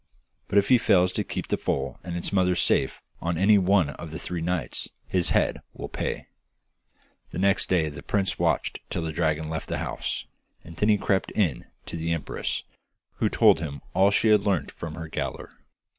But if he fails to keep the foal and its mother safe on any one of the three nights his head will pay.' The next day the prince watched till the dragon left the house, and then he crept in to the empress, who told him all she had learnt from her gaoler.